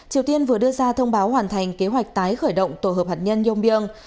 triều tiên vừa đưa ra thông báo hoàn thành kế hoạch tái khởi động tổ hợp hạt nhân yongbyung